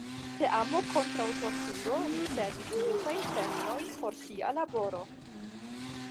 Teamo kontraŭ torturo ricevis multajn premiojn por sia laboro.